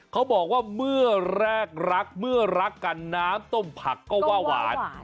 เขาบอกว่าเมื่อแรกรักเมื่อรักกันน้ำต้มผักก็ว่าหวาน